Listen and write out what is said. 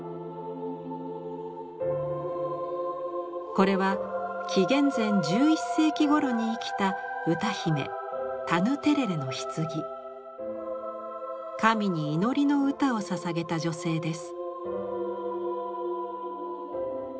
これは紀元前１１世紀ごろに生きた歌姫神に祈りの歌をささげた女性です。